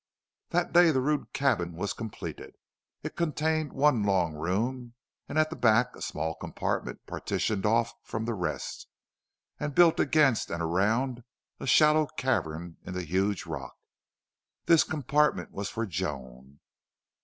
That day the rude cabin was completed. It contained one long room; and at the back a small compartment partitioned off from the rest, and built against and around a shallow cavern in the huge rock. This compartment was for Joan.